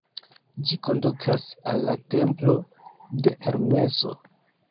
Ĝi kondukas al la templo de Hermeso.